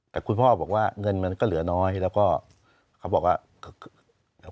แต่คุณพ่อบอกว่าเงินมันก็เหลือน้อยแล้วก็เขาบอกว่า